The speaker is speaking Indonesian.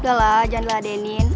udah lah jangan lah denin